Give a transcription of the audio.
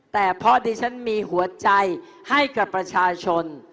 แต่เพราะดิฉันมีหัวใจให้กับประชาชน